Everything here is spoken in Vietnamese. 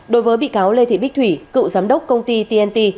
đối với bị cáo lê thị bích thủy cựu giám đốc công ty tnt